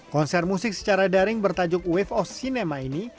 konser musik secara daring bertajuk wave of cinema ini